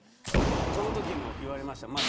このときも言われました。